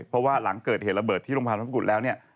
เพราะว่าหลังเกิดเหตุระเบิดที่โรงพยาบาลพระกุฎแล้วเนี่ย